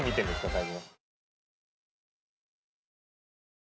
最後？